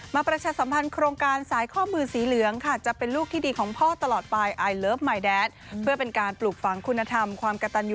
มาประชาสัมพันธ์โครงการสายข้อมือสีเหลืองค่ะ